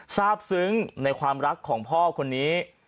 ทราบซึ้งในความรักของพ่อคนนี้